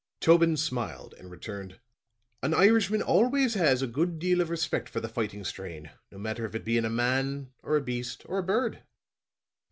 Tobin smiled and returned: "An Irishman always has a good deal of respect for the fighting strain, no matter if it be in a man, or a beast, or a bird.